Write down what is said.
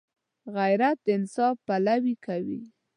غیرت د انصاف پلوي کوي